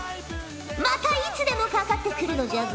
またいつでもかかってくるのじゃぞ！